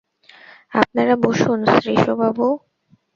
আপনারা বসুন শ্রীশবাবু!